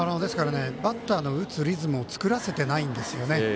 バッターの打つリズムを作らせていないんですよね。